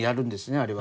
あれは。